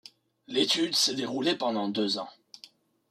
L'étude s'est déroulée pendant deux ans.